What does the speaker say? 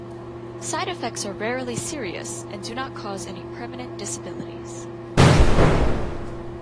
Side effects are rarely serious and do not cause any permanent disabilities.